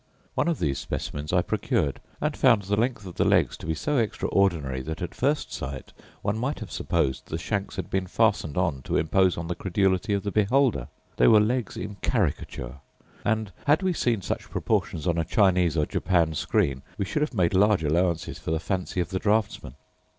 One of these specimens I procured, and found the length of the legs to be so extraordinary, that, at first sight, one might have supposed the shanks had been fastened on to impose on the credulity of the beholder: they were legs in caricature; and had we seen such proportions on a Chinese or Japan screen we should have made large allowances for the fancy of the draughtsman.